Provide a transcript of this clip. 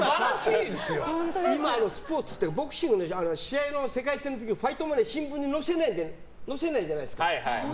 今、スポーツってボクシングの世界戦の時ファイトマネー新聞に載せないじゃないですか。